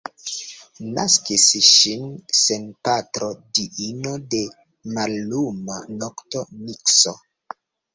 Naskis ŝin sen patro diino de malluma nokto Nikso.